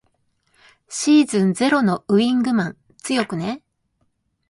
シーズンゼロのウィングマン強くね。